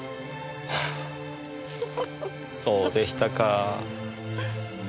そうでしたかぁ。